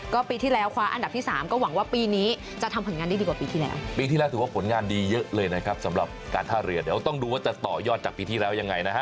ก็ปีที่แล้วคว้าอันดับที่๓ก็หวังว่าปีนี้จะทำผลงานดีกว่าปีที่แล้ว